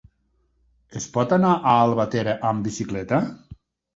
Es pot anar a Albatera amb bicicleta?